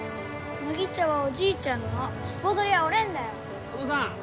麦茶はおじいちゃんのスポドリは俺んだよお義父さん